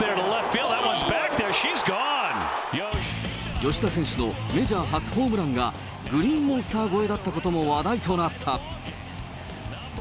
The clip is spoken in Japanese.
吉田選手のメジャー初ホームランが、グリーンモンスター越えだったことも話題となった。